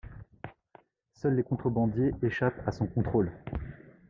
Seuls les contrebandiers échappent à son contrôle.